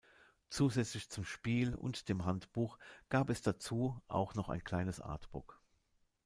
Zusätzlich zum Spiel und dem Handbuch gab es dazu auch noch ein kleines Artbook.